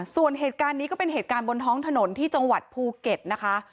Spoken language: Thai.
ส่วนเหตุการณ์นี้ก็เป็นเหตุการณ์บนท้องถนนที่จังหวัดภูเก็ตนะคะ